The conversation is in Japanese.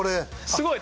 すごい。